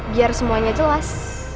biar semuanya jelas